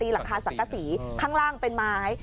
หลังคาสังกษีข้างล่างเป็นไม้